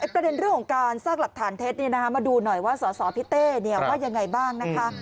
ประเด็นเรื่องของการสร้างหลักฐานเท็จมาดูหน่อยว่าสสพี่เต้ว่ายังไงบ้างนะคะ